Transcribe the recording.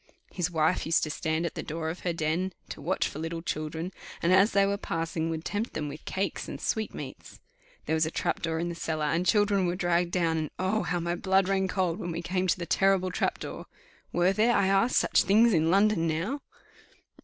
His wife used to stand at the door of her den to watch for little children, and, as they were passing, would tempt them in with cakes and sweetmeats. There was a trap door in the cellar, and the children were dragged down; and Oh! how my blood ran cold when we came to the terrible trap door. Were there, I asked, such things in London now?